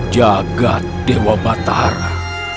jagat dewa batara